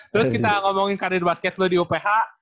terus kita ngomongin karir basket lo di uph